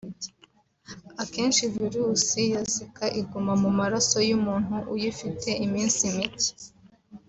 Akenshi virus ya Zika iguma mu maraso y’umuntu uyifite iminsi mike